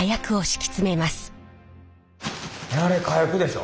あれ火薬でしょ？